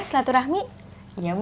selaturahmi iya bu